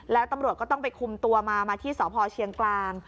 แล้วตำรวจก็ต้องไปคุมตัวมามาที่สพเชียงกลาง